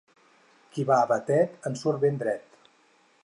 Qui va a Batet en surt ben dret.